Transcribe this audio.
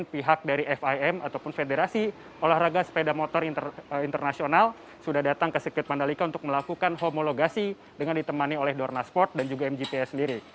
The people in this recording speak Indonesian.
dan juga dikatakan kemarin pihak dari fim ataupun federasi olahraga sepeda motor internasional sudah datang ke sirkuit mandalika untuk melakukan homologasi dengan ditemani oleh dorna sport dan juga mgps sendiri